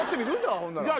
ほんなら。